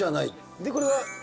でこれが。